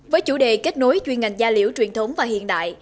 với chủ đề kết nối chuyên ngành gia liễu truyền thống và hiện đại